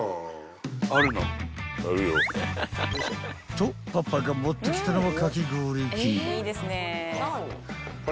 ［とパパが持ってきたのは］